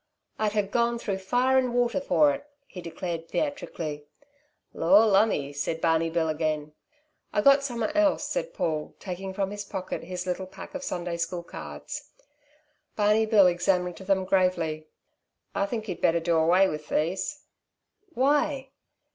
"I'd ha' gone through fire and water for it," he declared theatrically. "Lor' lumme!" said Barney Bill again. "I got summat else," said Paul, taking from his pocket his little pack of Sunday school cards. Barney Bill examined them gravely. "I think you'd better do away with these." "Why?"